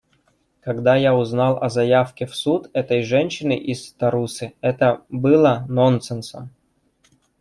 Когда я узнал о заявке в суд этой женщины из Тарусы, это было нонсенсом.